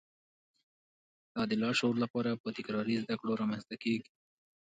دا د لاشعور لپاره په تکراري زده کړو رامنځته کېږي